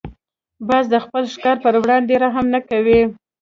باز د خپل ښکار پر وړاندې رحم نه کوي